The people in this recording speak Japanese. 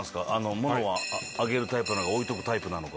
物はあげるタイプなのか、置いとくタイプなのか。